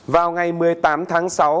vào ngày một mươi tám tháng sáu